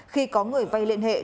khi có người vay liên hệ